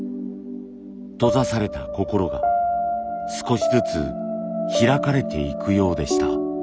閉ざされた心が少しずつ開かれていくようでした。